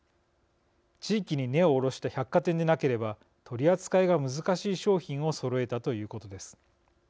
地域に根を下ろした百貨店でなければ取り扱いが難しい商品をそろえたということです。